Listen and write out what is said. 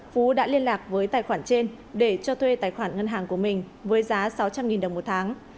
phú đã liên lạc với tài khoản trên để cho thuê tài khoản ngân hàng của mình với giá sáu trăm linh đồng một tháng